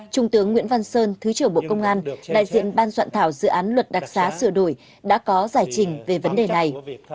trung tướng nguyễn văn sơn thứ trưởng bộ công an đại diện ban soạn thảo dự án luật đặc sá sửa đổi đã có giải trình về vấn đề này